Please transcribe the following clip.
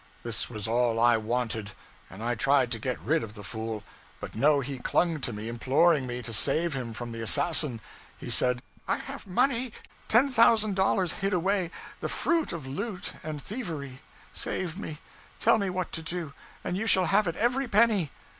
This was all I wanted. And I tried to get rid of the fool; but no, he clung to me, imploring me to save him from the assassin. He said 'I have money ten thousand dollars hid away, the fruit of loot and thievery; save me tell me what to do, and you shall have it, every penny.